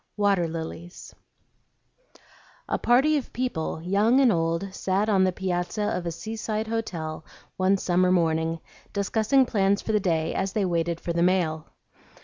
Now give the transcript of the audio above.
WATER LILIES A PARTY of people, young and old, sat on the piazza of a seaside hotel one summer morning, discussing plans for the day as they waited for the mail.